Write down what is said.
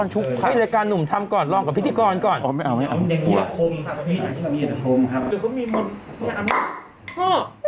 หรือเขามีมนตร์หรืออันเดียวกัน